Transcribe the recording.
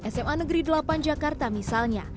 sma negeri delapan jakarta misalnya